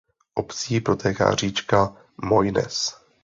Obcí protéká říčka Moines.